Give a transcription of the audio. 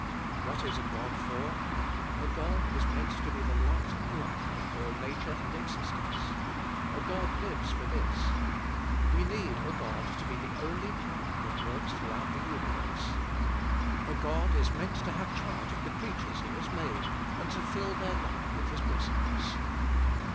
What is a God for? A God is meant to be the light and life of all nature and existence. A God lives for this. We THK I.IFB OF RKST. 235 need a God to be the only power that works through out the universe. A God is meant to have charg e of the creatures He has made and to fill their life with His blessedness.